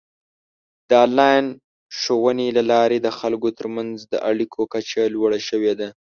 د آنلاین ښوونې له لارې د خلکو ترمنځ د اړیکو کچه لوړه شوې ده.